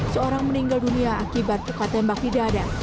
seorang meninggal dunia akibat luka tembak tidak ada